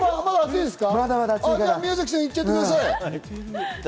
宮崎さん、いっちゃってください。